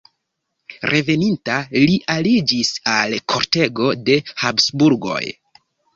Reveninta li aliĝis al kortego de Habsburgoj.